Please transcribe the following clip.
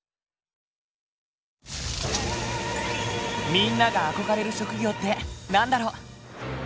みんなが憧れる職業って何だろう？